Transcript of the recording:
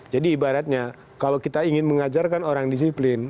jadi ibaratnya kalau kita ingin mengajarkan orang disiplin